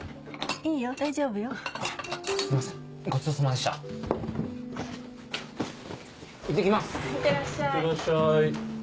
いってらっしゃい。